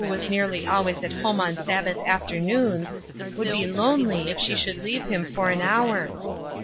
295 was nearly always at home on Sabbath afternoons, would be lonely if she should leave him for an hour.